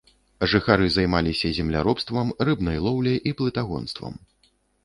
Жыхары займаліся земляробствам, рыбнай лоўляй і плытагонствам.